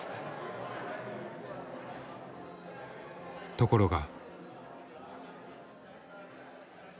ところが。